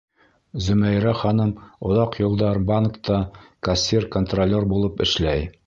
Зөмәйрә ханым оҙаҡ йылдар банкта кассир-контролер булып эшләй.